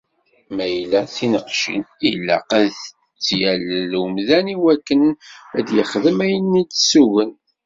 Mayella d tineqcin, ilaq ad tt-yallel umdan iwakken ad d-yexdem ayen i d-tsugen..